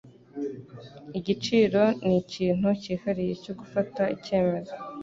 Igiciro ni ikintu cyihariye cyo gufata icyemezo.